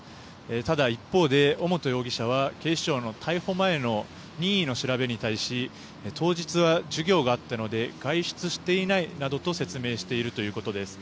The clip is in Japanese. ただ、一方で尾本容疑者は警視庁の逮捕前の任意の調べに対し当日は授業があったので外出していないなどと説明しているということです。